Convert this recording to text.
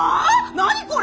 何これ！？